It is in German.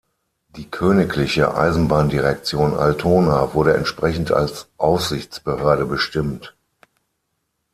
Die Königliche Eisenbahndirektion Altona wurde entsprechend als Aufsichtsbehörde bestimmt.